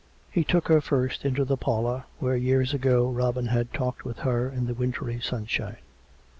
He took her first into the parlour, where years ago Robin had talked with her in the wintry sunshine.